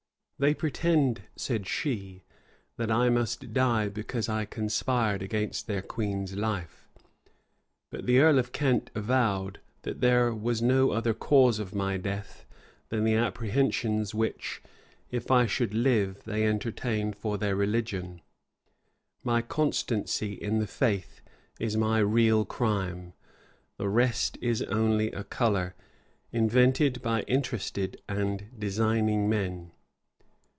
"They pretend," said she, "that I must die, because I conspired against their queen's life: but the earl of Kent avowed, that there was no other cause of my death, than the apprehensions which, if I should live, they entertain for their religion. My constancy in the faith is my real crime: the rest is only a color, invented by interested and designing men."